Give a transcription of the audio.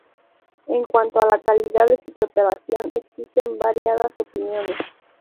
En cuanto a la calidad de su preparación existen variadas opiniones.